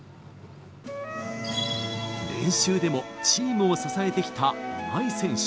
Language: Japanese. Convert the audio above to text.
練習でもチームを支えてきた今井選手。